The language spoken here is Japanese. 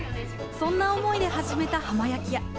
そんな思いで始めた浜焼き屋。